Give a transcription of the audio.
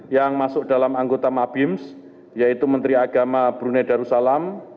yang masuk dalam anggota mabims yaitu menteri agama brunei darussalam